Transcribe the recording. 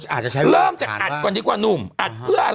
เขาอาจจะใช้เริ่มจากอัดก่อนดีกว่านุ่มครึ่ง